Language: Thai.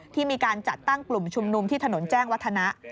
ที่มีการจัดตั้งกลุ่มชุมนุมที่ถนนแจ้งวัฒนะ